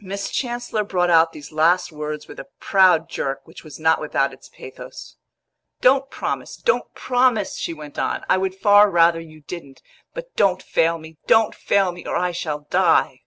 Miss Chancellor brought out these last words with a proud jerk which was not without its pathos. "Don't promise, don't promise!" she went on. "I would far rather you didn't. But don't fail me don't fail me, or I shall die!"